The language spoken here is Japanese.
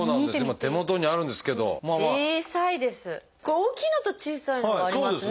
大きいのと小さいのがありますね。